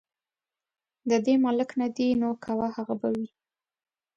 د دې ملک نه دي نو که وه هغه به وي.